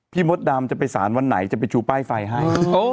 มดดำจะไปสารวันไหนจะไปชูป้ายไฟให้